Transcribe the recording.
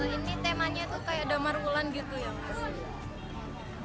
ini temanya itu kayak damar wulan gitu ya mas